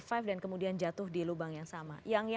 bisa survive dan kemudian jatuh di lubang yang sama